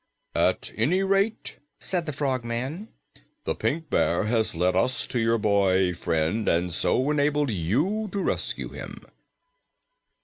"At any rate," said the Frogman, "the Pink Bear has led us to your boy friend and so enabled you to rescue him."